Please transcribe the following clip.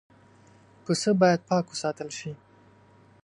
پسه باید پاک وساتل شي.